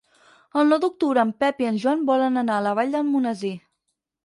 El nou d'octubre en Pep i en Joan volen anar a la Vall d'Almonesir.